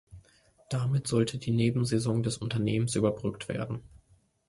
Damit sollte die Nebensaison des Unternehmens überbrückt werden.